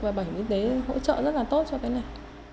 và bảo hiểm y tế hỗ trợ rất là tốt cho cái này